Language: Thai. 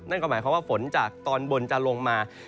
นั่นก็หมายความว่าฝนจากตอนบนจะลงมา